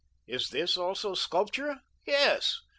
Is this also sculpture? Yes.